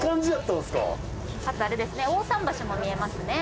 大さん橋も見えますね。